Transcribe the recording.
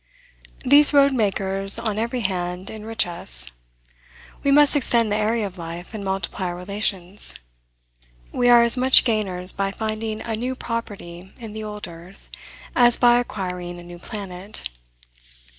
These road makers on every hand enrich us. We must extend the area of life, and multiply our relations. We are as much gainers by finding a new property in the old earth, as by acquiring a new planet.